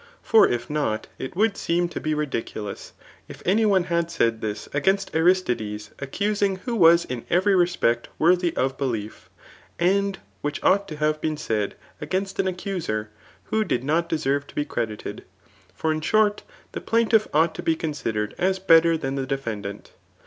for if not, it would seem to be ridiculous, if any one had €oid this against Arisddes accusing [who was in every respect worthy of belief,]] and which ought to have been said against an accuser, who did not deserve to be credited. For in short the plaintiflF ought to be considered as better than the defendant.